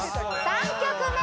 ３曲目！